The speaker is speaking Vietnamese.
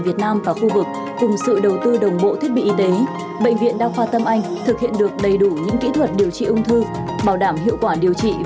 vào khung giờ này ngày mai